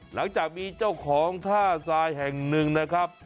หลังจากมีเจ้าของท่าทรายแห่งหนึ่งนะครับ